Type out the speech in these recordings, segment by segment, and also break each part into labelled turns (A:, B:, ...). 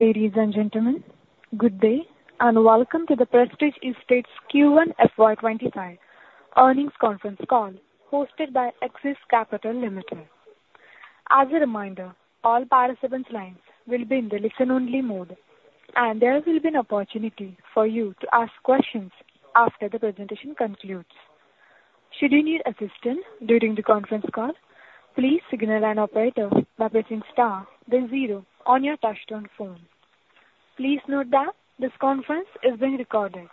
A: Ladies and gentlemen, good day, and welcome to the Prestige Estates Q1 FY25 Earnings Conference Call, hosted by Axis Capital Limited. As a reminder, all participants' lines will be in the listen-only mode, and there will be an opportunity for you to ask questions after the presentation concludes. Should you need assistance during the conference call, please signal an operator by pressing star then zero on your touchtone phone. Please note that this conference is being recorded.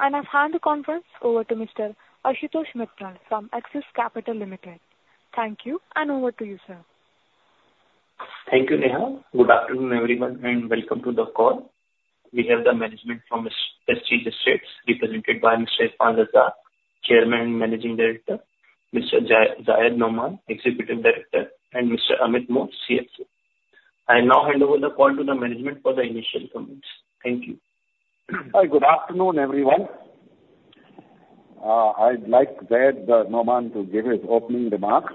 A: I'll hand the conference over to Mr. Ashutosh Mittal from Axis Capital Limited. Thank you, and over to you, sir.
B: Thank you, Neha. Good afternoon, everyone, and welcome to the call. We have the management from Prestige Estates, represented by Mr. Irfan Razack, Chairman and Managing Director, Mr. Zayd Noaman, Executive Director, and Mr. Amit Mor, CFO. I now hand over the call to the management for the initial comments. Thank you.
C: Hi, good afternoon, everyone. I'd like Zayd Noaman to give his opening remarks.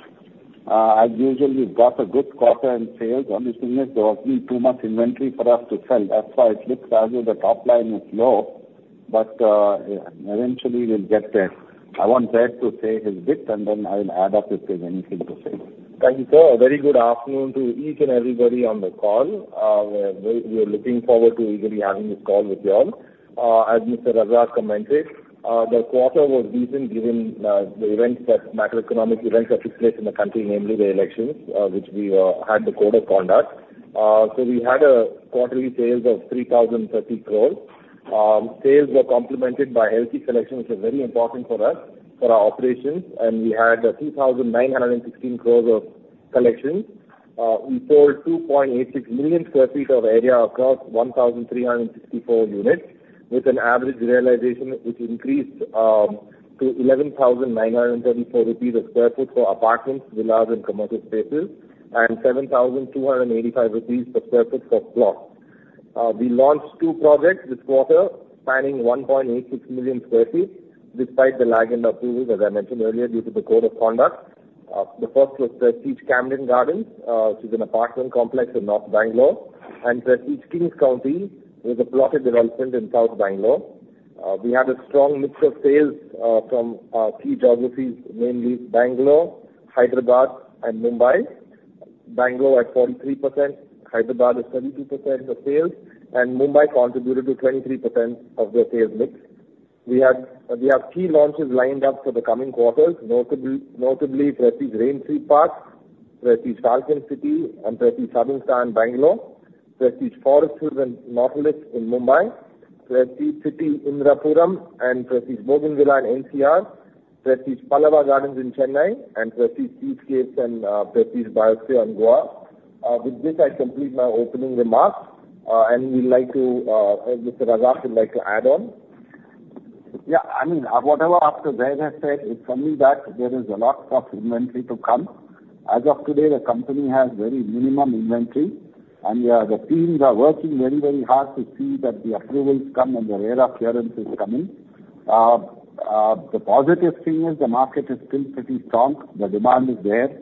C: As usual, we've got a good quarter in sales. Only thing is there wasn't too much inventory for us to sell. That's why it looks as if the top line is low, but eventually we'll get there. I want Zayd to say his bit, and then I'll add up if there's anything to say.
D: Thank you, sir. A very good afternoon to each and everybody on the call. We are looking forward to eagerly having this call with you all. As Mr. Razack commented, the quarter was decent given the macroeconomic events that took place in the country, namely the elections, which we had the Code of Conduct. So we had quarterly sales of 3,030 crore. Sales were complemented by healthy collections, which are very important for us, for our operations, and we had 2,916 crore of collections. We sold 2.86 million sq ft of area across 1,364 units, with an average realization which increased to 11,934 rupees/sq ft for apartments, villas, and commercial spaces, and 7,285 rupees/sq ft for plots. We launched two projects this quarter, spanning 1.86 million sq ft, despite the lag in approvals, as I mentioned earlier, due to the Code of Conduct. The first was Prestige Camden Gardens, which is an apartment complex in North Bangalore, and Prestige Kings County, which is a plotted development in South Bangalore. We had a strong mix of sales from our key geographies, mainly Bangalore, Hyderabad and Mumbai. Bangalore at 43%, Hyderabad is 32% of sales, and Mumbai contributed to 23% of the sales mix. We have key launches lined up for the coming quarters, notably Prestige Raintree Park, Prestige Falcon City and Prestige Southern Star in Bangalore, Prestige Forest Hills and Metropolis in Mumbai, Prestige City Indirapuram and Prestige Bougainvillea in NCR, Prestige Pallava Gardens in Chennai, and Prestige Seascape and Prestige Biosphere in Goa. With this, I complete my opening remarks, and we'd like to, if Mr. Razack would like to add on. Yeah, I mean, whatever after Zaid has said, it's only that there is a lot of inventory to come. As of today, the company has very minimum inventory, and, yeah, the teams are working very, very hard to see that the approvals come and the RERA clearance is coming. The positive thing is the market is still pretty strong, the demand is there,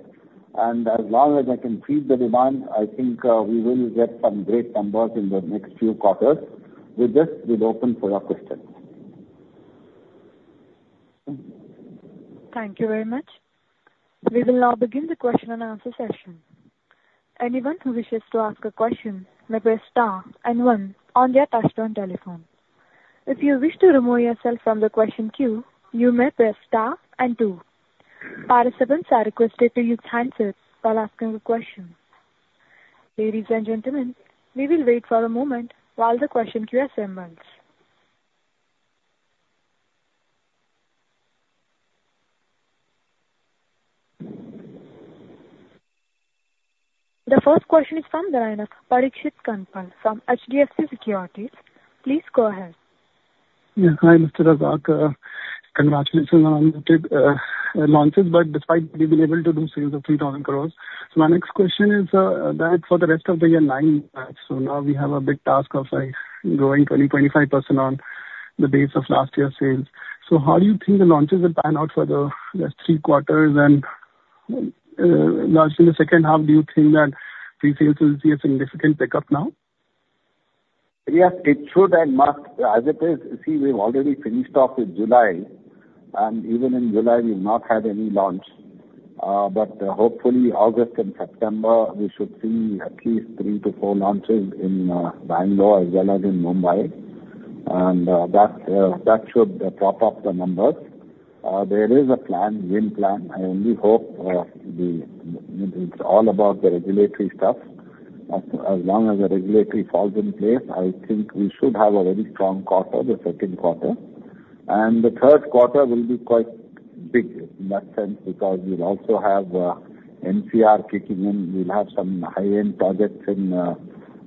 D: and as long as I can feed the demand, I think, we will get some great numbers in the next few quarters. With this, we're open for your questions.
A: Thank you very much. We will now begin the question and answer session. Anyone who wishes to ask a question may press star and one on their touchtone telephone. If you wish to remove yourself from the question queue, you may press star and two. Participants are requested to use handset while asking the question. Ladies and gentlemen, we will wait for a moment while the question queue assembles. The first question is from the line of Parikshit Kandpal from HDFC Securities. Please go ahead.
E: Yeah. Hi, Mr. Razack. Congratulations on the launches, but despite you've been able to do sales of 3,000 crore. So my next question is, that for the rest of the year nine, so now we have a big task of, like, growing 20%-25% on the base of last year's sales. So how do you think the launches will pan out for the last three quarters? And, largely in the second half, do you think that pre-sales will see a significant pickup now?
C: Yes, it should and must. As it is, see, we've already finished off with July, and even in July, we've not had any launch. But, hopefully August and September, we should see at least three to four launches in, Bangalore as well as in, Mumbai, and, that, that should prop up the numbers. There is a plan, game plan. I only hope, the... It's all about the regulatory stuff. As, as long as the regulatory falls in place, I think we should have a very strong quarter, the second quarter. And the third quarter will be quite big in that sense, because we'll also have, NCR kicking in. We'll have some high-end projects in,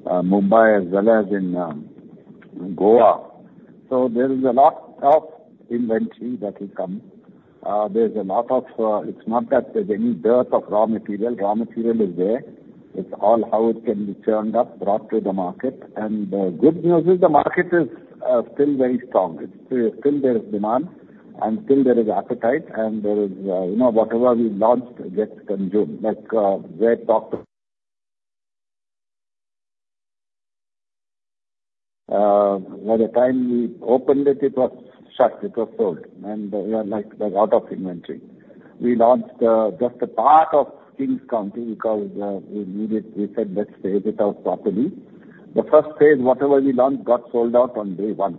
C: Mumbai as well as in, Goa. So there is a lot of inventory that will come. There's a lot of, It's not that there's any dearth of raw material. Raw material is there. It's all how it can be churned up, brought to the market. Good news is the market is still very strong. It's still there is demand, and still there is appetite, and there is you know, whatever we've launched gets consumed, like Zayd talked about by the time we opened it, it was shut, it was sold, and we are like a lot of inventory. We launched just a part of Kings County because we said, "Let's stage it out properly." The first phase, whatever we launched, got sold out on day one,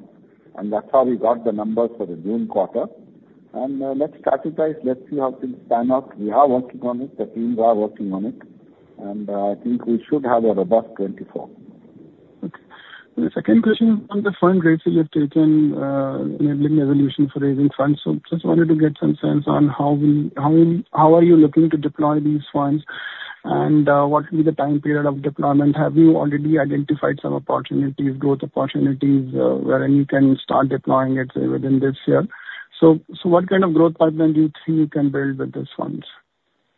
C: and that's how we got the numbers for the June quarter. Let's strategize, let's see how things pan out. We are working on it, the teams are working on it, and I think we should have a robust 2024.
E: Okay. The second question on the fund raising, you've taken enabling a resolution for raising funds. So just wanted to get some sense on how are you looking to deploy these funds, and what will be the time period of deployment? Have you already identified some opportunities, growth opportunities, wherein you can start deploying it within this year? So what kind of growth partners do you think you can build with these funds?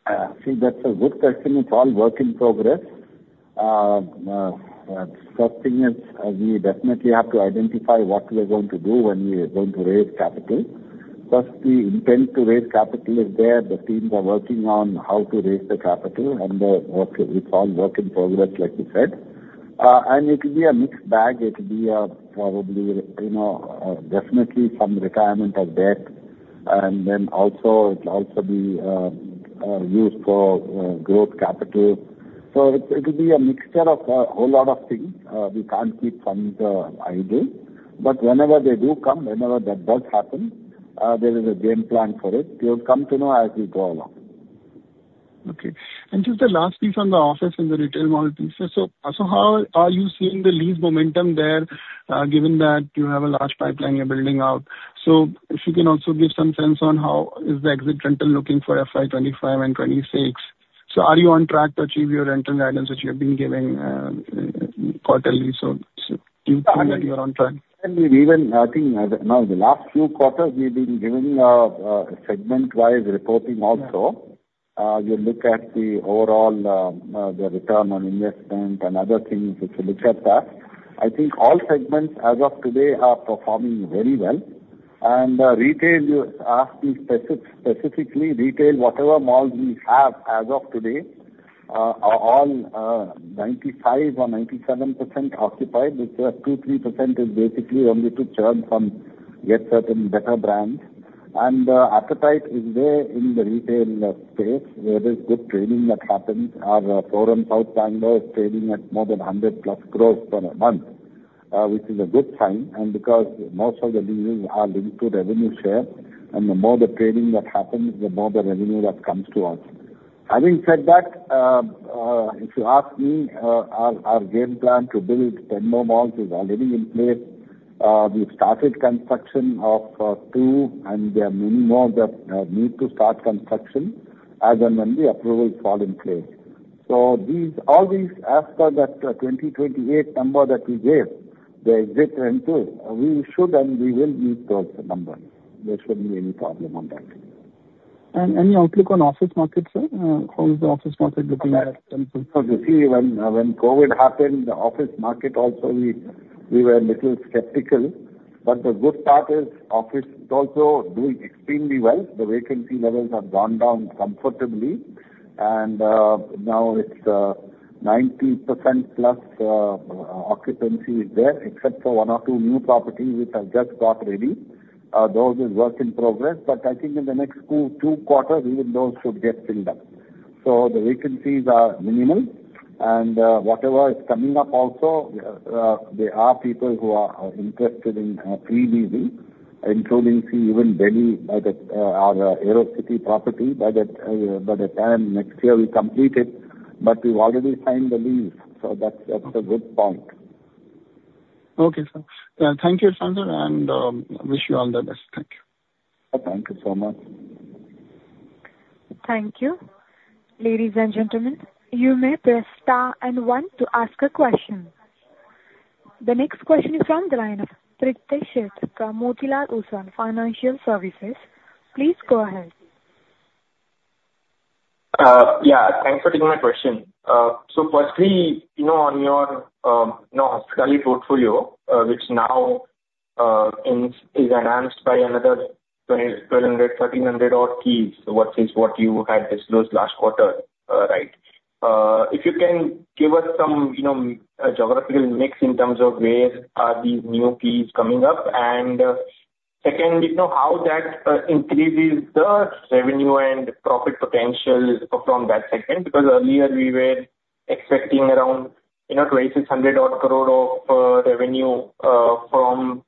C: I think that's a good question. It's all work in progress. First thing is, we definitely have to identify what we are going to do when we are going to raise capital. First, the intent to raise capital is there. The teams are working on how to raise the capital, and it's all work in progress, like you said. And it'll be a mixed bag. It'll be, probably, you know, definitely some retirement of debt, and then also, it'll also be used for growth capital. So it, it'll be a mixture of a whole lot of things. We can't keep funds idle. But whenever they do come, whenever that does happen, there is a game plan for it. You'll come to know as we go along.
E: Okay. And just the last piece on the office and the retail mall piece. So, so how are you seeing the lease momentum there, given that you have a large pipeline you're building out? So if you can also give some sense on how is the exit rental looking for FY 25 and 26. So are you on track to achieve your rental guidance, which you have been giving, quarterly? So, so do you think that you're on track?
C: We've even, I think, now the last few quarters, we've been giving segment-wise reporting also. Yeah. You look at the overall, the return on investment and other things, if you look at that, I think all segments as of today are performing very well. And, retail, you ask me specific, specifically, retail, whatever malls we have as of today, are all, 95% or 97% occupied. Because 2%-3% is basically only to churn some, get certain better brands. And, appetite is there in the retail, space, where there's good trading that happens. Our Forum South Bangalore is trading at more than 100+ crore per month, which is a good sign. And because most of the deals are linked to revenue share, and the more the trading that happens, the more the revenue that comes to us. Having said that, if you ask me, our, our game plan to build 10 more malls is already in place. We started construction of 2, and there are many more that need to start construction as and when the approvals fall in place. So these, all these, as per that 2028 number that we gave, the exit rental, we should and we will meet those numbers. There shouldn't be any problem on that.
E: Any outlook on office market, sir? How is the office market looking at?
C: So you see, when COVID happened, the office market also, we, we were a little skeptical. But the good part is, office is also doing extremely well. The vacancy levels have gone down comfortably, and now it's 90% plus occupancy is there, except for one or two new properties which have just got ready. Those is work in progress, but I think in the next two quarters, even those should get filled up. So the vacancies are minimal, and whatever is coming up also, there are people who are interested in pre-leasing, including see even Delhi, like our Aerocity property. By the time next year we complete it, but we've already signed the lease. So that's a good point.
E: Okay, sir. Thank you, Sir, and wish you all the best. Thank you.
C: Thank you so much.
A: Thank you. Ladies and gentlemen, you may press star and one to ask a question. The next question is from the line of Pritesh Sheth from Motilal Oswal Financial Services. Please go ahead.
E: Yeah, thanks for taking my question. So firstly, you know, on your hospitality portfolio, which now is enhanced by another 2,300, 1,300 odd keys, so what you had disclosed last quarter, right? If you can give us some, you know, geographical mix in terms of where these new keys are coming up? And second, you know, how that increases the revenue and profit potential from that segment? Because earlier we were expecting around, you know, 2,600-odd crore of revenue from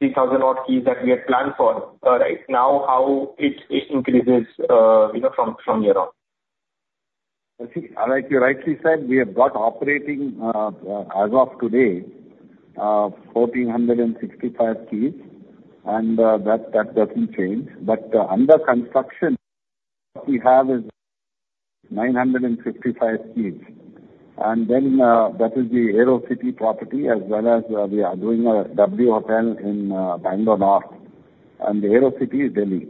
E: 3,000 odd keys that we had planned for, right. Now, how it increases, you know, from here on?
C: I see. Like you rightly said, we have got operating, as of today, 1,465 keys, and that doesn't change. But, under construction, what we have is 955 keys. And then, that is the Aerocity property as well as, we are doing a W Hotel in, Bangalore North, and the Aerocity is Delhi.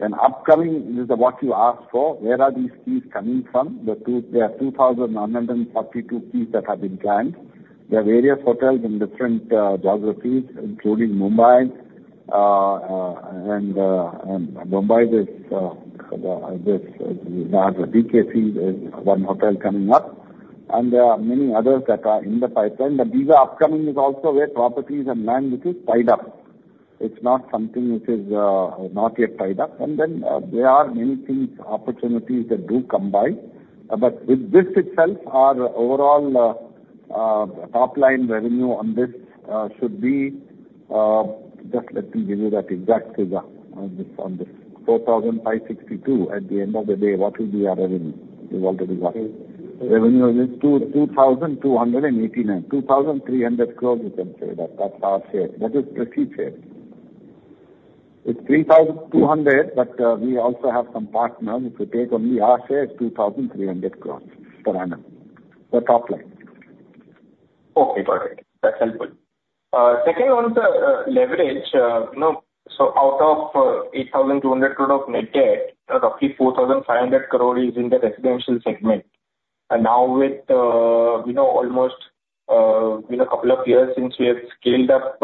C: And upcoming, this is what you asked for, where are these keys coming from? There are 2,942 keys that have been planned. There are various hotels in different geographies, including Mumbai, and Mumbai is, this, BKC is one hotel coming up, and there are many others that are in the pipeline. But these are upcoming is also where properties and land, which is tied up. It's not something which is not yet tied up. And then, there are many things, opportunities that do come by. But with this itself, our overall top line revenue on this should be just let me give you that exact figure on this, on this. 4,562 crore. At the end of the day, what will be our revenue? We've already got. Revenue is 2,289. 2,300 crore, you can say that. That's our share. That is the fee share. It's 3,200, but we also have some partners. If you take only our share, it's 2,300 crore per annum. The top line.
E: Okay, got it. That's helpful. Second, on the leverage, you know, so out of 8,200 crore of net debt, roughly 4,500 crore is in the residential segment. And now with, you know, almost, you know, a couple of years since we have scaled up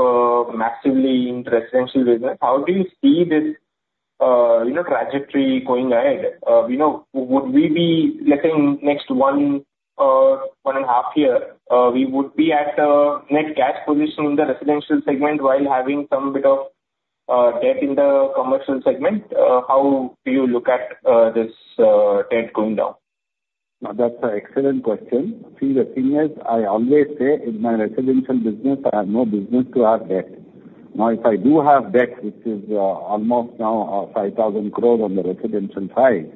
E: massively in residential business, how do you see this, you know, trajectory going ahead? You know, would we be, let's say, in next 1, 1.5 year, we would be at a net cash position in the residential segment while having some bit of debt in the commercial segment? How do you look at this debt going down?
C: Now, that's an excellent question. See, the thing is, I always say in my residential business, I have no business to have debt. Now, if I do have debt, which is almost now, 5,000 crore on the residential side,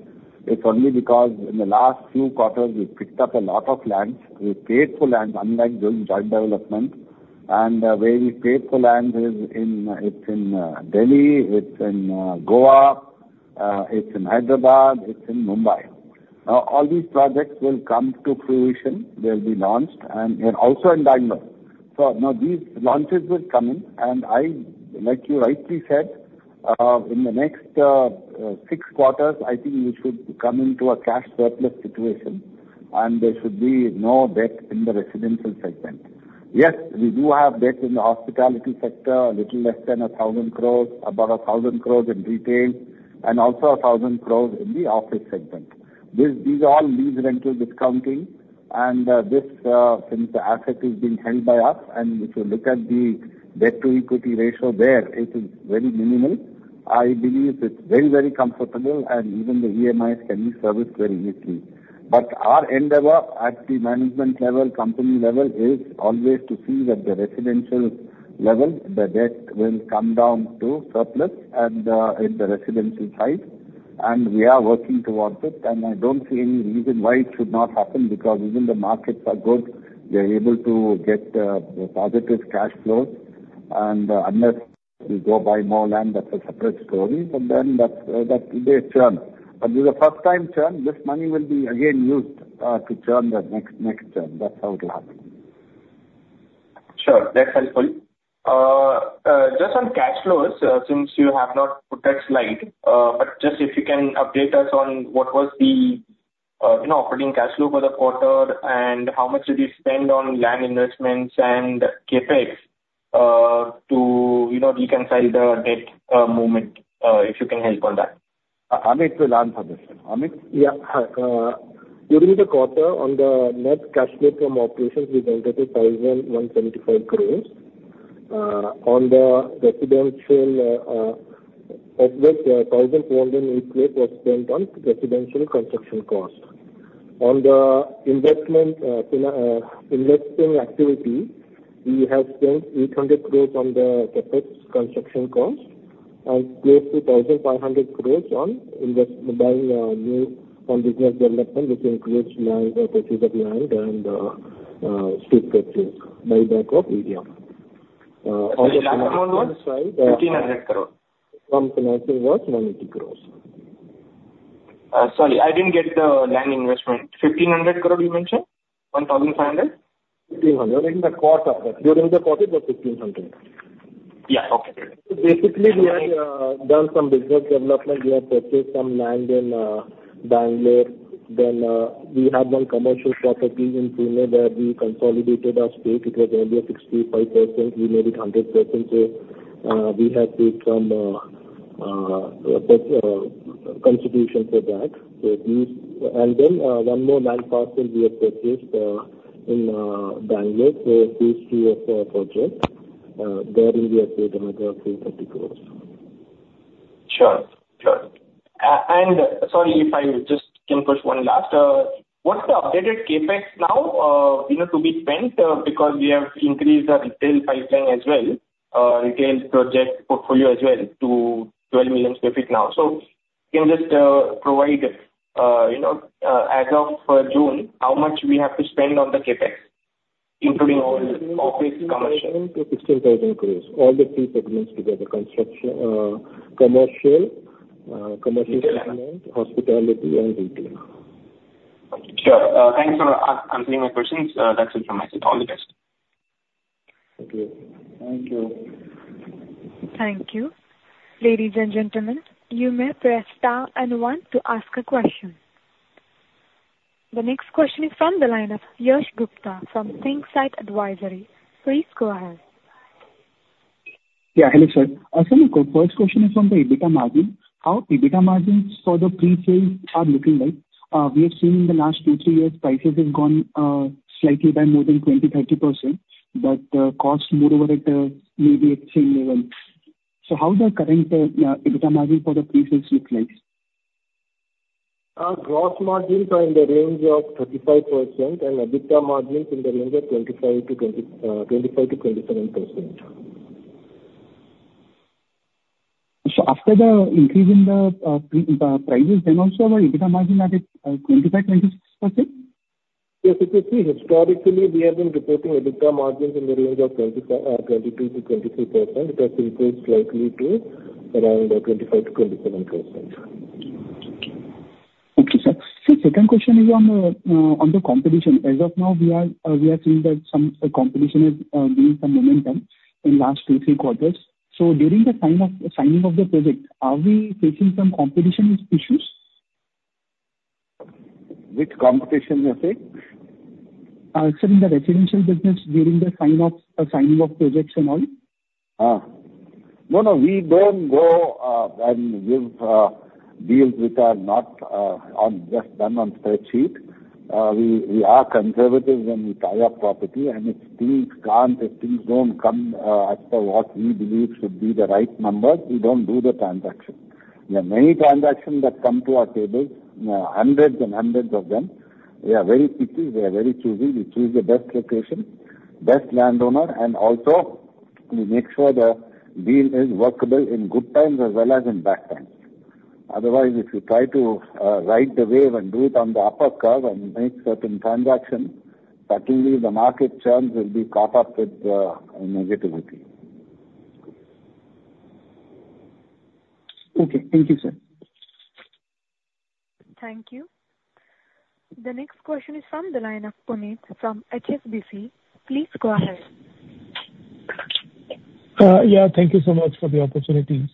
C: it's only because in the last few quarters, we've picked up a lot of lands. We've paid for land, unlike joint development, and where we paid for land is in, it's in Delhi, it's in Goa, it's in Hyderabad, it's in Mumbai. Now, all these projects will come to fruition, they'll be launched, and also in Bangalore. So now these launches will come in, and I, like you rightly said, in the next 6 quarters, I think we should come into a cash surplus situation, and there should be no debt in the residential segment. Yes, we do have debt in the hospitality sector, a little less than 1,000 crore, about 1,000 crore in retail, and also 1,000 crore in the office segment. These, these are all lease rental discounting, and this, since the asset is being held by us, and if you look at the debt-to-equity ratio there, it is very minimal. I believe it's very, very comfortable, and even the EMIs can be serviced very easily. But our endeavor at the management level, company level, is always to see that the residential level, the debt will come down to surplus, and in the residential side, and we are working towards it. I don't see any reason why it should not happen, because even the markets are good. We are able to get positive cash flows, and unless we go buy more land, that's a separate story, but then that they churn. But with a first-time churn, this money will be again used to churn the next, next churn. That's how it'll happen.
E: Sure. That's helpful. Just on cash flows, since you have not put that slide, but just if you can update us on what was the, you know, operating cash flow for the quarter, and how much did you spend on land investments and CapEx, to, you know, reconcile the debt movement, if you can help on that.
C: Amit will answer this. Amit?
F: Yeah. During the quarter, on the net cash flow from operations, we generated 1,075 crore. On the residential, of which 1,208 crore was spent on residential construction cost. On the investment, investing activity, we have spent 800 crore on the CapEx construction cost and close to 1,500 crore on buying new on business development, which includes land purchase of land and stake purchase by way of India. On the-
E: Land amount was 1,500 crore.
F: From financing was 90 crore.
E: Sorry, I didn't get the land investment. 1,500 crore, you mentioned? 1,500?
F: 1,500, in the cost of that. During the quarter, it was 1,500.
E: Yeah, okay.
F: Basically, we have done some business development. We have purchased some land in Bangalore. Then, we have one commercial property in Pune that we consolidated our space. It was only a 65%, we made it 100%. So, we have taken some contribution for that. So these... And then, one more land parcel we have purchased in Bangalore. So these three are four projects. There we have paid another INR 350 crore.
E: Sure. Sure. And sorry if I just can push one last. What's the updated CapEx now, you know, to be spent? Because we have increased our retail pipeline as well, retail project portfolio as well to 12 million sq ft now. So can you just provide, you know, as of June, how much we have to spend on the CapEx, including all office commercial?
F: 16,000 crore. All the three segments together, construction, commercial, commercial segment-
E: Retail...
F: hospitality and retail.
E: Sure. Thank you for answering my questions. That's it from my side. All the best.
F: Thank you.
C: Thank you.
A: Thank you. Ladies and gentlemen, you may press star and one to ask a question. The next question is from the line of Yash Gupta from ThinkSite Advisory. Please go ahead.
E: Yeah, hello, sir. So my first question is on the EBITDA margin. How EBITDA margins for the pre-sale are looking like? We have seen in the last two, three years, prices have gone slightly by more than 20%-30%, but costs more or less at the same level. So how is the current EBITDA margin for the pre-sales looking like?
C: Gross margins are in the range of 35%, and EBITDA margins in the range of 25%-27%.
E: After the increase in the pre prices, then also our EBITDA margin are at 25%-26%?
C: Yes, if you see, historically, we have been reporting EBITDA margins in the range of 25, 22%-23%. It has improved slightly to around 25%-27%.
E: Okay. Okay, sir. Sir, second question is on the competition. As of now, we are seeing that some competition has gained some momentum in last 2, 3 quarters. So during the signing of the project, are we facing some competition issues?
C: Which competition you are saying?
E: Sir, in the residential business during the sign off, signing of projects and all.
C: No, no, we don't go and give deals which are not just done on spreadsheet. We are conservative when we tie up property, and if things don't come as per what we believe should be the right numbers, we don't do the transaction. There are many transactions that come to our table, you know, hundreds and hundreds of them. We are very picky. We are very choosy. We choose the best location, best landowner, and also we make sure the deal is workable in good times as well as in bad times. Otherwise, if you try to ride the wave and do it on the upper curve and make certain transactions, certainly the market churns will be caught up with negativity.
E: Okay. Thank you, sir.
A: Thank you. The next question is from the line of Puneet from HSBC. Please go ahead.
E: Yeah, thank you so much for the opportunity.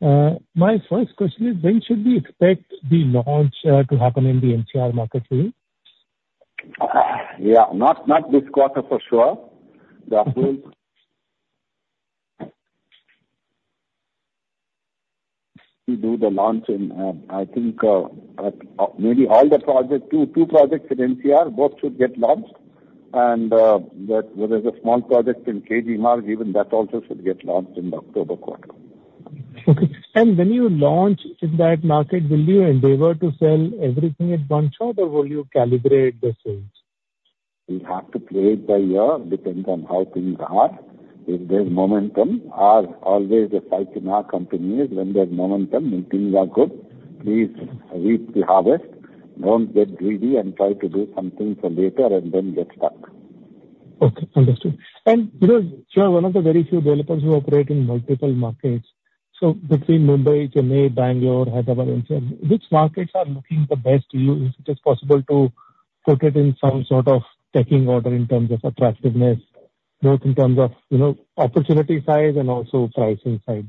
E: My first question is, when should we expect the launch to happen in the NCR market for you?
C: Yeah, not this quarter for sure. Though we do the launch in, I think, at maybe all the projects, two projects in NCR, both should get launched. And that there is a small project in KG Marg, even that also should get launched in the October quarter.
E: Okay. When you launch in that market, will you endeavor to sell everything at once, or will you calibrate the sales?
C: We have to play it by ear, depends on how things are. If there's momentum, as always, the cycle in our company is when there's momentum and things are good, please reap the harvest. Don't get greedy and try to do something for later and then get stuck.
E: Okay, understood. And, you know, you are one of the very few developers who operate in multiple markets, so between Mumbai, Chennai, Bangalore, Hyderabad, NCR, which markets are looking the best to you? Is it possible to put it in some sort of checking order in terms of attractiveness, both in terms of, you know, opportunity size and also pricing side?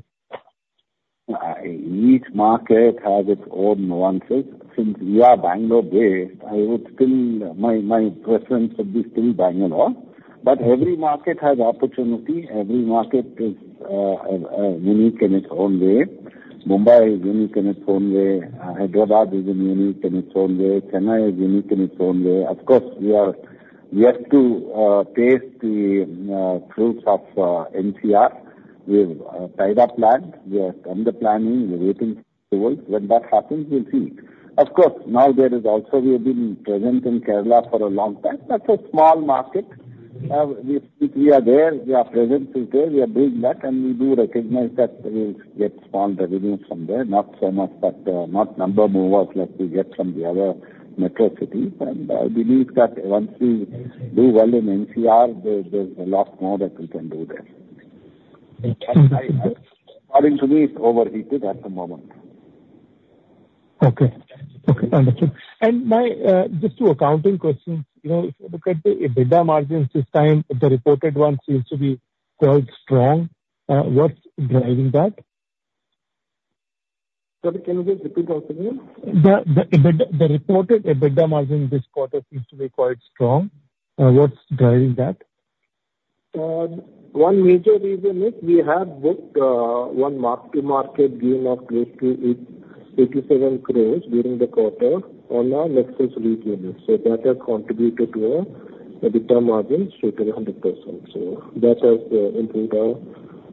C: Each market has its own nuances. Since we are Bangalore-based, I would still, my, my preference would be still Bangalore. But every market has opportunity. Every market is, unique in its own way. Mumbai is unique in its own way. Hyderabad is unique in its own way. Chennai is unique in its own way. Of course, we are yet to, taste the, fruits of, NCR. We've, tied up land. We are under planning. We're waiting for approval. When that happens, we'll see. Of course, now there is also, we have been present in Kerala for a long time. That's a small market. We, we are there, our presence is there, we are building that, and we do recognize that we'll get small revenues from there. Not so much, but, not number movers like we get from the other metro cities. I believe that once we do well in NCR, there, there's a lot more that we can do there.
E: Thank you.
C: According to me, it's overheated at the moment.
E: Okay. Okay, understood. And my, just two accounting questions. You know, if you look at the EBITDA margins this time, the reported one seems to be quite strong. What's driving that?
C: Sorry, can you just repeat the question again?
E: EBITDA, the reported EBITDA margin this quarter seems to be quite strong. What's driving that?
C: One major reason is we have booked one mark-to-market gain of close to 87 crore during the quarter on our Nexus retail unit. So that has contributed to our EBITDA margin straight to 100%. So that has improved our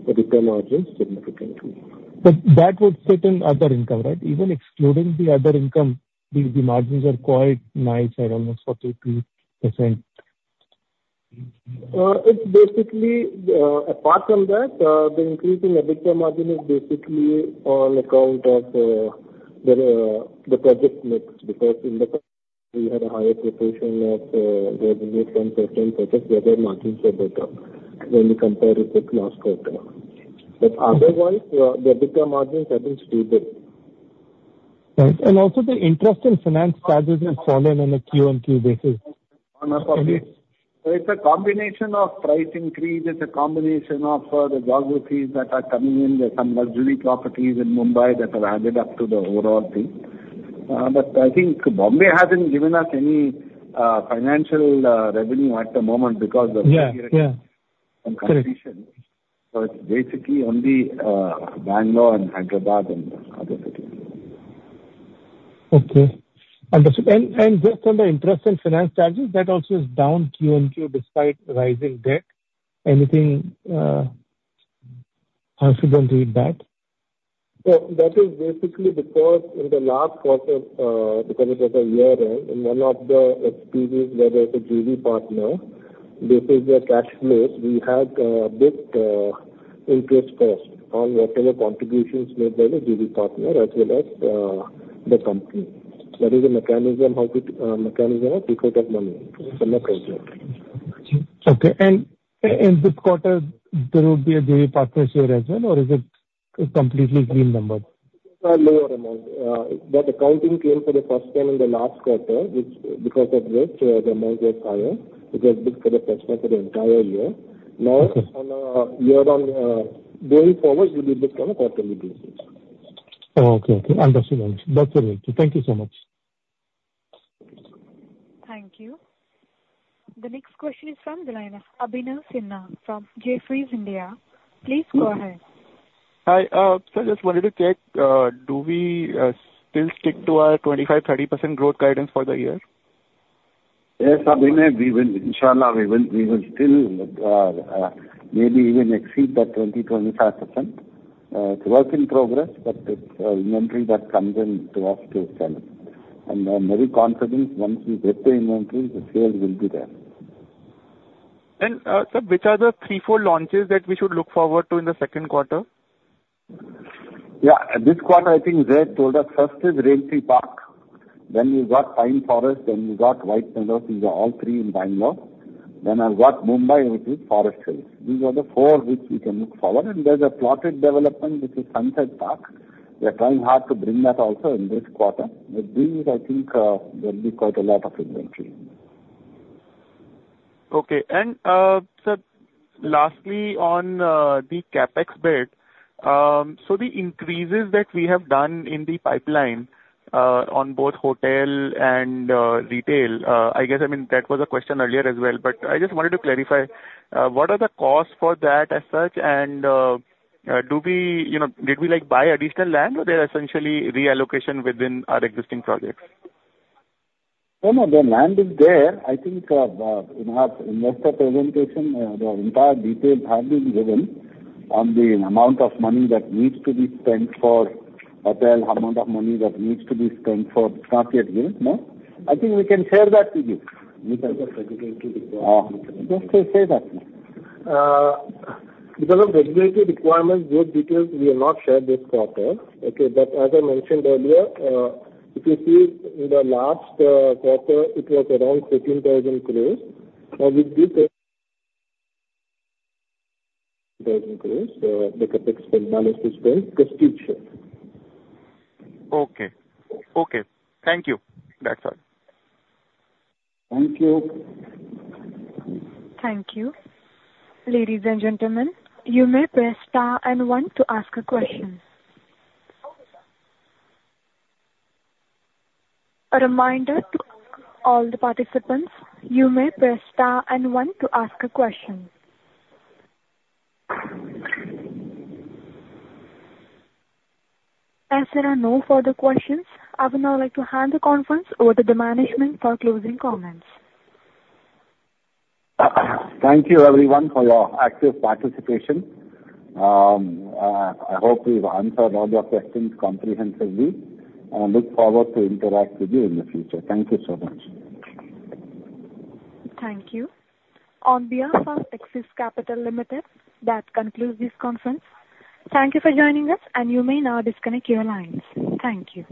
C: EBITDA margins significantly.
E: But that would sit in other income, right? Even excluding the other income, the margins are quite nice at almost 42%.
C: It's basically, apart from that, the increase in EBITDA margin is basically on account of the project mix, because in the we had a higher proportion of revenue from certain projects, where their margins are better when we compare it with last quarter. But otherwise, the EBITDA margins have been stable.
E: Right. Also, the interest and finance charges has fallen on a Q on Q basis.
C: ...On our properties. So it's a combination of price increase, it's a combination of, the geographies that are coming in. There's some luxury properties in Mumbai that have added up to the overall thing. But I think Bombay hasn't given us any, financial, revenue at the moment because of-
E: Yeah, yeah.
C: -competition. But basically only, Bangalore and Hyderabad and other cities.
E: Okay. Understood. And just on the interest and finance charges, that also is down quarter-over-quarter, despite rising debt. Anything, how should one read that?
C: So that is basically because in the last quarter, because it was a year-end, in one of the SPVs where there's a JV partner, this is the cash flows we had interest first on whatever contributions made by the JV partner as well as the company. That is a mechanism of default of money from the project.
E: Okay. And in this quarter, there will be a JV partner share as well, or is it a completely clean number?
C: A lower amount. That accounting came for the first time in the last quarter, which because of which, the amount was higher, because this was the first time for the entire year.
E: Okay.
C: Now, going forward, we will look on a quarterly basis.
E: Oh, okay. Okay. Understood. That's all right. Thank you so much.
A: Thank you. The next question is from the line, Abhinav Sinha from Jefferies India. Please go ahead.
G: Hi. Sir, just wanted to check, do we still stick to our 25-30% growth guidance for the year?
C: Yes, Abhinav, we will. Inshallah, we will, we will still, maybe even exceed the 20-25%. It's work in progress, but it's inventory that comes in to us to sell. And I'm very confident once we get the inventory, the sales will be there.
G: Sir, which are the three, four launches that we should look forward to in the second quarter?
C: Yeah, this quarter, I think Zed told us first is Raintree Park, then we've got Pine Forest, then we've got White Sandals. These are all three in Bangalore. Then I've got Mumbai, which is Forest Hills. These are the four which we can look forward, and there's a plotted development, which is Sunset Park. We are trying hard to bring that also in this quarter. But these, I think, there'll be quite a lot of inventory.
G: Okay. Sir, lastly, on the CapEx bit, so the increases that we have done in the pipeline, on both hotel and retail, I guess, I mean, that was a question earlier as well, but I just wanted to clarify what the costs for that are as such? And do we, you know, did we like buy additional land, or they're essentially reallocation within our existing projects?
C: No, no, the land is there. I think in our investor presentation the entire details have been given on the amount of money that needs to be spent for hotel, amount of money that needs to be spent for cafe at the moment. I think we can share that with you.
F: Because of regulatory requirements.
C: Just say that now. Because of regulatory requirements, those details we have not shared this quarter. Okay, but as I mentioned earlier, if you see in the last quarter, it was around 13,000 crore. Now with this thousand crores, the CapEx spent, money is spent, complete share.
G: Okay. Okay. Thank you. That's all.
C: Thank you.
A: Thank you. Ladies and gentlemen, you may press star and one to ask a question. A reminder to all the participants, you may press star and one to ask a question. As there are no further questions, I would now like to hand the conference over to the management for closing comments.
C: Thank you everyone for your active participation. I hope we've answered all your questions comprehensively, and look forward to interact with you in the future. Thank you so much.
A: Thank you. On behalf of Axis Capital Limited, that concludes this conference. Thank you for joining us, and you may now disconnect your lines. Thank you.